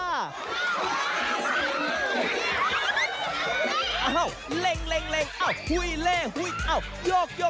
อ้าวเล็งอ้าวหุ้ยเล่หุ้ยอ้าวโยก